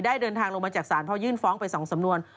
เดินทางลงมาจากศาลเพราะยื่นฟ้องไป๒สำนวน